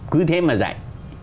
cứ thế mà dạy